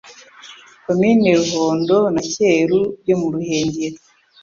Komini Ruhondo na Cyeru byo mu Ruhengeri